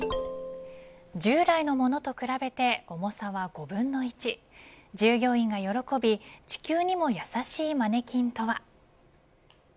従来のものと比べて重さは５分の１従業員が喜び地球にも優しいマネキンとは。